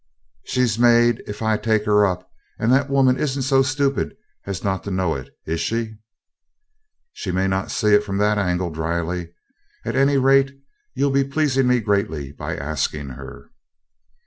"She's made if I take her up, and the woman isn't so stupid as not to know it, is she?" "She may not see it from that angle," dryly. "At any rate, you'll be pleasing me greatly by asking her."